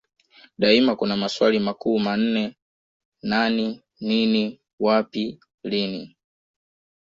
Daima kuna maswali makuu manne Nani nini wapi lini